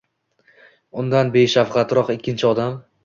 Undan beshavqatroq ikkkinchi odam